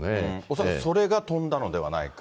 恐らくそれが飛んだのではないか。